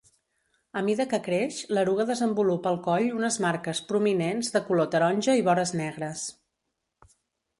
A mida que creix, l'eruga desenvolupa al coll unes marques prominents de color taronja i vores negres.